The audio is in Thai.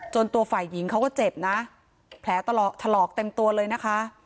ตัวฝ่ายหญิงเขาก็เจ็บนะแผลถลอกถลอกเต็มตัวเลยนะคะ